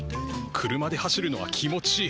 車で走るのは気持ちいい。